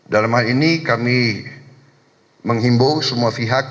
dalam hal ini kami menghimbau semua pihak